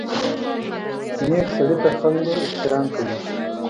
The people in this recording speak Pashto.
نیکه سړي ته خلکو احترام کوي.